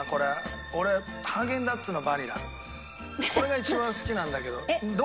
これが一番好きなんだけど。